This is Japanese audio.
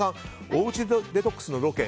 おうちデトックスのロケ